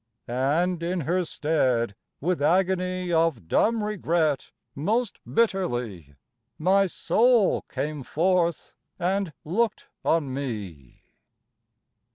And in her stead, with agony Of dumb regret, most bitterly My soul came forth, and looked on me!